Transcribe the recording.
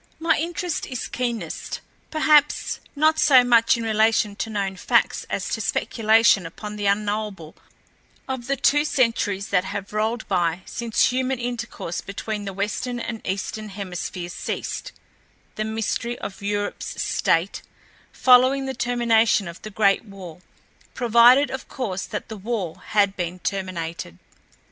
My interest is keenest, perhaps, not so much in relation to known facts as to speculation upon the unknowable of the two centuries that have rolled by since human intercourse between the Western and Eastern Hemispheres ceased—the mystery of Europe's state following the termination of the Great War—provided, of course, that the war had been terminated.